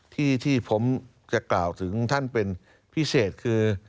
ที่ผมจะกล่าวถึงท่านเป็นพิเศษคือ